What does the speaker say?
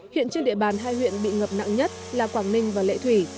hiện trên địa bàn hai huyện bị ngập nặng nhất là quảng ninh và lệ thủy